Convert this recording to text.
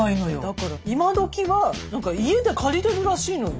だから今どきは何か家で借りれるらしいのよ。